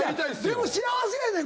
でも幸せやねん。